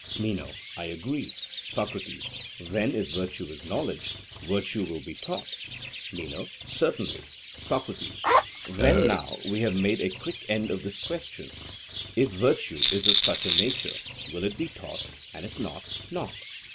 MENO: I agree. SOCRATES: Then if virtue is knowledge, virtue will be taught? MENO: Certainly. SOCRATES: Then now we have made a quick end of this question: if virtue is of such a nature, it will be taught; and if not, not?